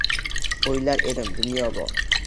O’ylar edim dunyoda bor